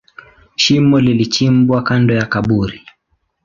Shimo lilichimbwa kando ya kaburi.